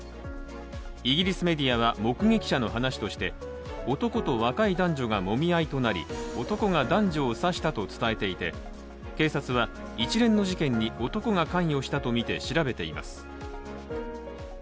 イギリスメディアは目撃者の話として男と、若い男女がもみ合いとなり男が男女を刺したと伝えていて警察は一連の事件に男が関与したと見て調べています。